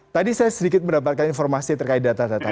tadi saya sedikit mendapatkan informasi terkait data data